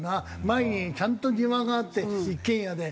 前にちゃんと庭があって一軒家で。